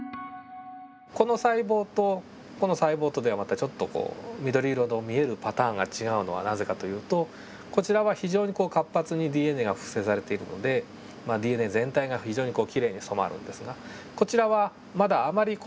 この細胞とこの細胞とではまたちょっとこう緑色の見えるパターンが違うのはなぜかというとこちらは非常に活発にＤＮＡが複製されているのでＤＮＡ全体が非常にこうきれいに染まるんですがこちらはまだあまりこう。